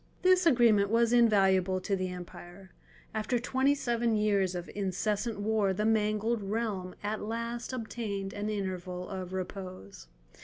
This agreement was invaluable to the empire. After twenty seven years of incessant war the mangled realm at last obtained an interval of repose.